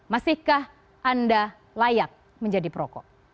masihkah anda layak menjadi perokok